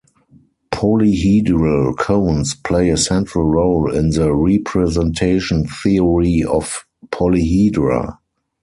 Polyhedral cones play a central role in the representation theory of polyhedra.